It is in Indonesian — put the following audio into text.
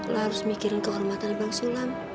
lo harus mikirin kehormatan bang sulam